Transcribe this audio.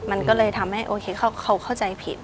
มันก็เลยทำให้โอเคเขาเข้าใจผิด